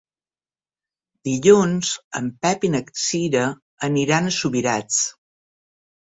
Dilluns en Pep i na Cira aniran a Subirats.